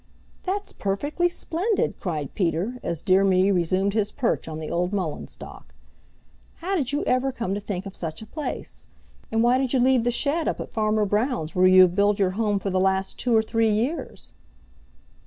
"That's perfectly splendid!" cried Peter, as Dear Me resumed his perch on the old mullein stalk. "How did you ever come to think of such a place? And why did you leave the shed up at Farmer Brown's where you have build your home for the last two or three years?"